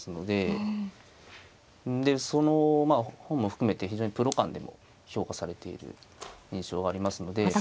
でそのまあ本も含めて非常にプロ間でも評価されている印象がありますので。